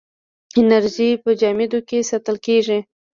انرژي په جامدو کې ساتل کېږي.